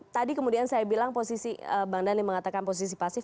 tadi kemudian saya bilang posisi bang dhani mengatakan posisi pasif